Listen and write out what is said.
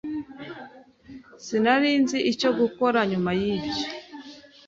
Sinari nzi icyo gukora nyuma yibyo.